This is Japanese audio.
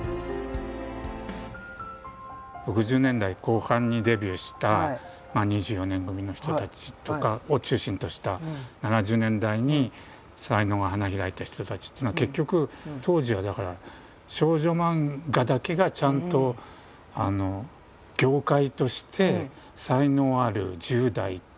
６０年代後半にデビューした２４年組の人たちとかを中心とした７０年代に才能が花開いた人たちっていうのは結局当時はだからだからそこにものすごい日本中のああそうか！